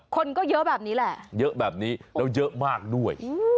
คนก็เยอะแบบนี้แหละเยอะแบบนี้แล้วเยอะมากด้วย